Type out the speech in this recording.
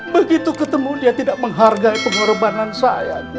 begitu ketemu dia tidak menghargai pengorbanan saya